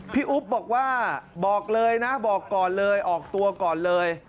อุ๊บบอกว่าบอกเลยนะบอกก่อนเลยออกตัวก่อนเลย